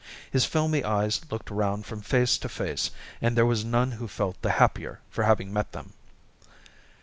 His filmy eyes looked round from face to face, and there was none who felt the happier for having met them.